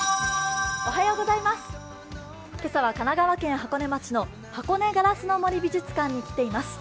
今朝は神奈川県箱根町の箱根ガラスの森美術館に来ています。